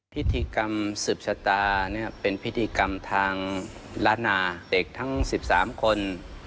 พิธีกรรมสืบชะตาเป็นพิธีกรรมทางล้านนาเด็กทั้ง๑๓คน